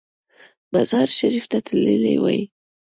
مزار شریف ته تللی وای.